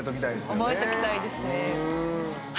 覚えておきたいですね。